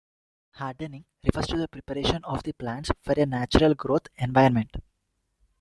"Hardening" refers to the preparation of the plants for a natural growth environment.